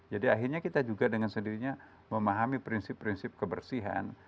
jadi akhirnya kita juga dengan sendirinya memahami prinsip prinsip kebersihan